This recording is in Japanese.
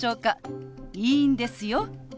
いいんですよ。